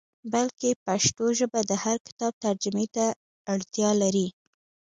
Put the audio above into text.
بلکې پښتو ژبه د هر کتاب ترجمې ته اړتیا لري.